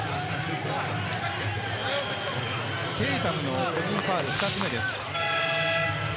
テイタムの個人ファウル２つ目です。